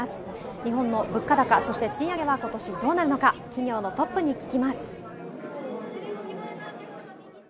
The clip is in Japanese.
日本の物価高、そして賃上げは今年どうなるのか、企業のトップに聞きます。